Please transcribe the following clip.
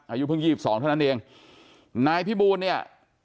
อายุเพิ่ง๒๒เท่านั้นเองนายพี่บูลเนี่ย